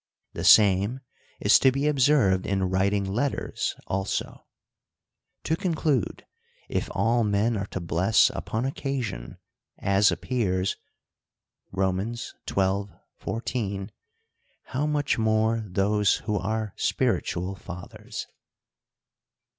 The same is to be observed in writing letters also. To conclude ; if all men are to bless upon occasion, as appears (Rom. xii. 14), how much more those who ai e spiritual fathers.